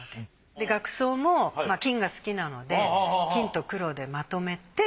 額装も金が好きなので金と黒でまとめて。